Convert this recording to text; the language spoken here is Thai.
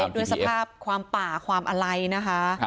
ด้วยสภาพความป่าความอะไรนะคะ